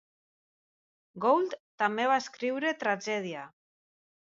Gould també va escriure tragèdia.